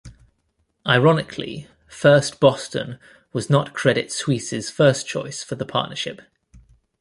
Ironically, First Boston was not Credit Suisse's first choice for the partnership.